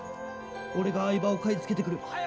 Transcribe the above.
俺が藍葉を買い付けてくる。